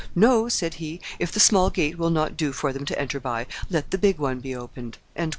"No," said he, "if the small gate will not do for them to enter by, let the big one be opened."